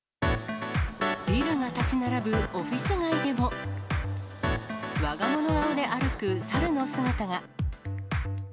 ビルが建ち並ぶオフィス街でも、わがもの顔で歩くサルの姿が。